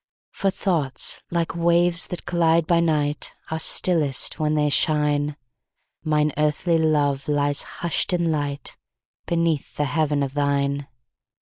For thoughts, like waves that glide by night, Are stillest when they shine; Mine earthly love lies hush'd in lightBeneath the heaven of thine.